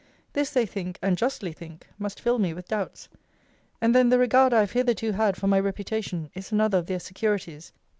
This, they think, (and justly think,) must fill me with doubts. And then the regard I have hitherto had for my reputation is another of their securities.